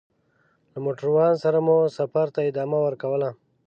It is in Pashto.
له موټروان سره مو سفر ته ادامه ورکوله.